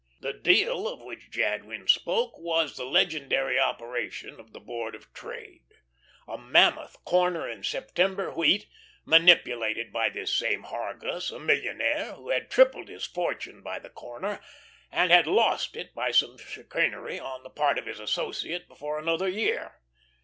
The deal of which Jadwin spoke was the legendary operation of the Board of Trade a mammoth corner in September wheat, manipulated by this same Hargus, a millionaire, who had tripled his fortune by the corner, and had lost it by some chicanery on the part of his associate before another year.